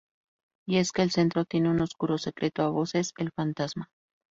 Y es que el centro tiene un oscuro secreto a voces; el Fantasma.